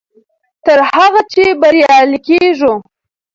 تر هغه چې بریالي کېږو.